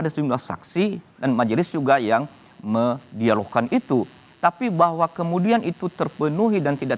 ada sejumlah saksi dan majelis juga yang mendialogkan itu tapi bahwa kemudian itu terpenuhi dan tidak